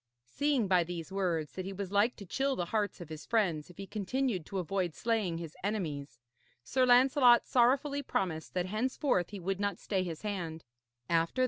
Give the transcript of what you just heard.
Seeing by these words that he was like to chill the hearts of his friends if he continued to avoid slaying his enemies, Sir Lancelot sorrowfully promised that henceforth he would not stay his hand.